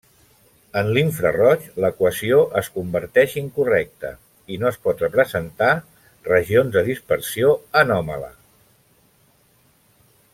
En l'infraroig, l'equació es converteix incorrecta, i no es pot representar regions de dispersió anòmala.